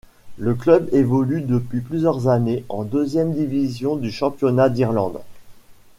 Le club évolue depuis plusieurs années en Deuxième Division du championnat d'Irlande.